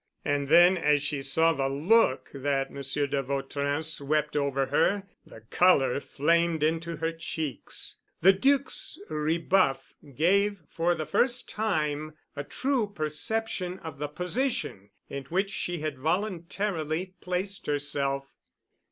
And then as she saw the look that Monsieur de Vautrin swept over her, the color flamed into her cheeks. The Duc's rebuff gave for the first time a true perception of the position in which she had voluntarily placed herself.